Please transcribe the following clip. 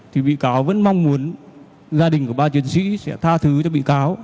thì bị cáo vẫn mong muốn gia đình của ba chiến sĩ sẽ tha thứ cho bị cáo